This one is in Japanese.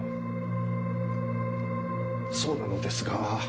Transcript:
そうなのですが。